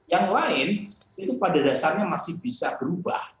yang lain itu pada dasarnya masih bisa berubah